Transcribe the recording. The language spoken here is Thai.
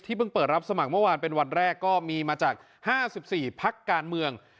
เพิ่งเปิดรับสมัครเมื่อวานเป็นวันแรกก็มีมาจาก๕๔พักการเมือง